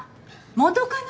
元カノ？